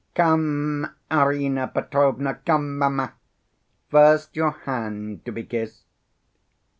Come, Arina Petrovna, come, mamma, first your hand to be kissed."